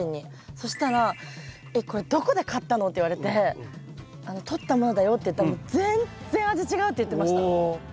そしたら「えっこれどこで買ったの？」って言われて「とったものだよ」って言ったら「全然味違う」って言ってました。